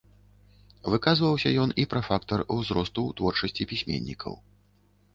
Выказваўся ён і пра фактар узросту ў творчасці пісьменнікаў.